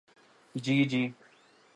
جی جی۔